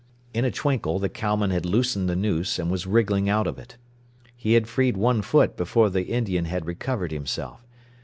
In a twinkle the cowman had loosened the noose, and was wriggling out of it. He had freed one foot before the Indian had recovered himself.